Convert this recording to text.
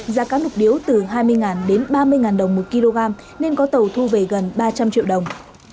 giá cá nục điếu từ hai mươi đến ba mươi đồng một kg nên có tàu thu về gần ba trăm linh triệu đồng